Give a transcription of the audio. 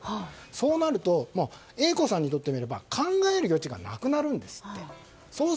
そうなるとＡ子さんにとってみれば考える余地がなくなるんですって。